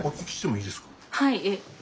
はい。